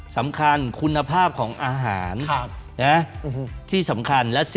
๓สำคัญคุณภาพของอาหาร